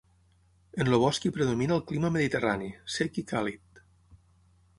En el bosc hi predomina el clima mediterrani, sec i càlid.